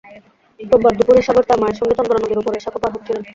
রোববার দুপুরে সাগর তাঁর মায়ের সঙ্গে চন্দনা নদীর ওপরের সাঁকো পার হচ্ছিলেন।